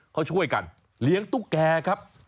เขาช่วยกันเลี้ยงตุ๊กแก่ครับ